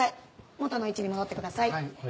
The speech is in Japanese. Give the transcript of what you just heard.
元の位置に戻ってください。